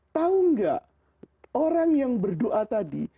tahu nggak orang yang berdoa tadi